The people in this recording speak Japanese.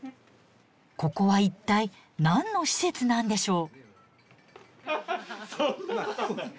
ここは一体何の施設なんでしょう。